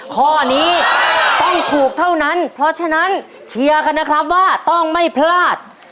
ข้อนี้ต้องถูกเท่านั้นเพราะฉะนั้นเชียร์กันนะครับว่าต้องไม่พลาด